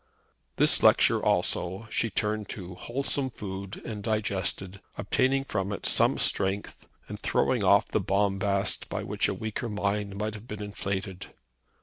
This lecture also she turned to wholesome food and digested, obtaining from it some strength and throwing off the bombast by which a weaker mind might have been inflated.